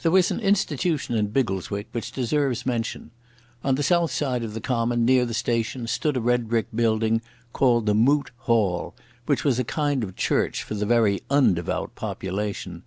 There was an institution in Biggleswick which deserves mention. On the south of the common, near the station, stood a red brick building called the Moot Hall, which was a kind of church for the very undevout population.